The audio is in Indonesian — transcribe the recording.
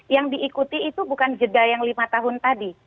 yang diikuti itu bukan jeda yang lima tahun tadi